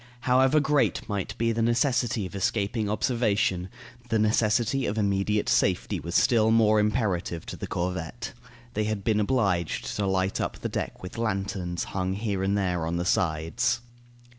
However great might be the necessity of escaping observation, the necessity of immediate safety was still more imperative to the corvette. They had been obliged to light up the deck with lanterns hung here and there on the sides.